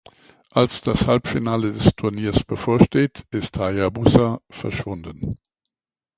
Als das Halbfinale des Turniers bevorsteht, ist Hayabusa verschwunden.